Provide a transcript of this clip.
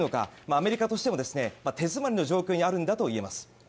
アメリカとしても手詰まりの状況にあるんだといえます。